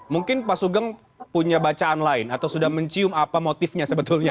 mungkin pak sugeng punya bacaan lain atau sudah mencium apa motifnya sebetulnya